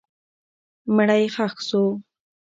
مړی یې ښخ سو.